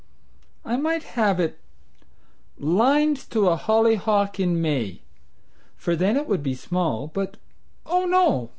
I might have it 'Lines to a Hollyhock in May,' for then it would be small; but oh, no!